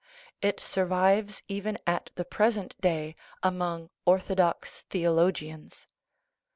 It survives even at the present day among orthodox theologians.